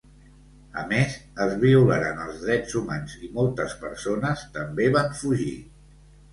A més es violaren els drets humans i moltes persones també van fugir.